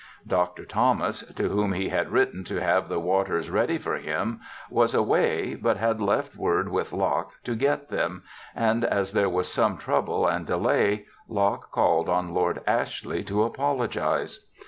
Dr. Thomas, to whom he had written to have the waters ready for him, was away but had left word with Locke to get them, and as there was some trouble and delay Locke called on Lord Ashley to apologize.